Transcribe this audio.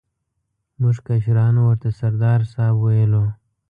موږ کشرانو ورته سردار صاحب ویلو.